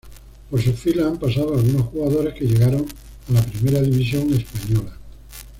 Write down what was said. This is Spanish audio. Por sus filas han pasado algunos jugadores que llegaron a la Primera división española.